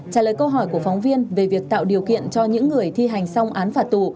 trả lời câu hỏi của phóng viên về việc tạo điều kiện cho những người thi hành xong án phạt tù